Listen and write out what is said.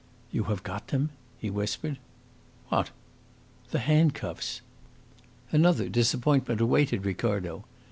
"You have got them?" he whispered. "What?" "The handcuffs." Another disappointment awaited Ricardo.